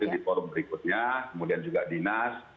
di forum berikutnya kemudian juga dinas